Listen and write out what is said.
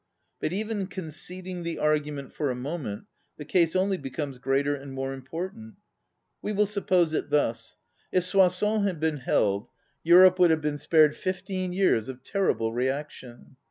But even conceding the argument for a moment, the case only becomes greater and more important. We will suppose it thus: If Soissons had been held, Europe would have been spared fifteen years of terrible re action.